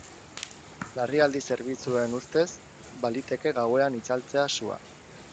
Larrialdi zerbitzuen ustez, baliteke gauean itzaltzea sua.